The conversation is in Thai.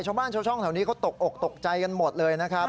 ช่องบ้านช่องแถวนี้ก็ตกอกตกใจกันหมดเลย